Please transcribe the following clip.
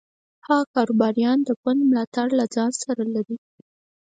هغه کاروباریان د ګوند ملاتړ له ځان سره لري.